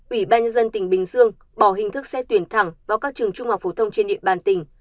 ủy ban nhân dân tỉnh bình dương bỏ hình thức xét tuyển thẳng vào các trường trung học phổ thông trên địa bàn tỉnh